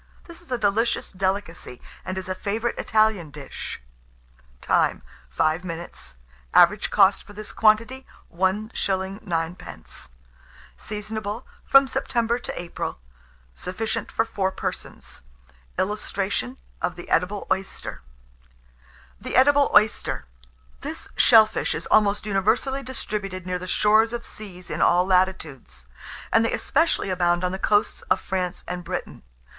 This is a delicious delicacy, and is a favourite Italian dish. Time. 5 minutes. Average cost for this quantity, 1s. 9d. Seasonable from September to April. Sufficient for 4 persons. [Illustration: THE EDIBLE OYSTER.] THE EDIBLE OYSTER: This shell fish is almost universally distributed near the shores of seas in all latitudes, and they especially abound on the coasts of France and Britain.